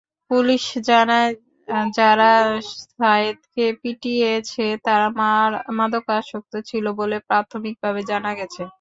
Police জানায়, যারা সায়েদকে পিটিয়েছে, তারা মাদকাসক্ত ছিল বলে প্রাথমিকভাবে জানা গেছে।